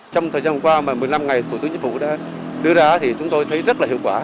trong thời gian qua mà một mươi năm ngày thủ tướng chính phủ đã đưa ra thì chúng tôi thấy rất là hiệu quả